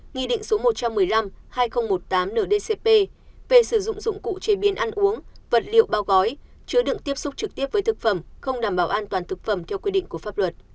nghị định số một trăm một mươi năm hai nghìn một mươi tám ndcp về sử dụng dụng cụ chế biến ăn uống vật liệu bao gói chứa đựng tiếp xúc trực tiếp với thực phẩm không đảm bảo an toàn thực phẩm theo quy định của pháp luật